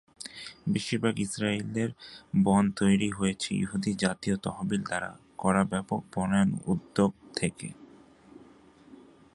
বেশিরভাগ ইসরায়েলের বন তৈরি হয়েছে ইহুদি জাতীয় তহবিল দ্বারা করা ব্যাপক বনায়ন উদ্যোগ থেকে।